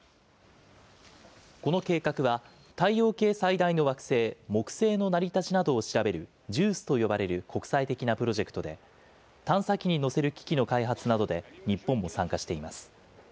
この計画は、太陽系最大の惑星、木星の成り立ちなどを調べるＪＵＩＣＥと呼ばれる国際的なプロジェクトで、探査機に載せる機器の開発などで、日本も参加しています。